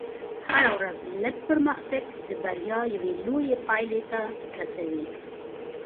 هره ورځ لږ پرمختګ د بریا یوې لوېې پایلې ته رسوي.